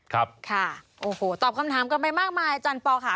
ครับค่ะโอ้โหตอบคำถามกันไปมากมายอาจารย์ปอลค่ะ